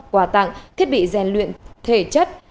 quà tặng thiết bị rèn luyện thể chất